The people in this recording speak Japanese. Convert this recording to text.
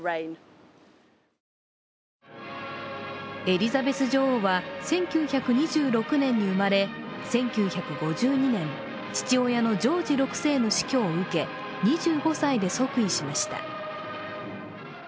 エリザベス女王は１９２６年に生まれ、１９５２年、父親のジョージ６世の死去を受け、２５歳で即位しました。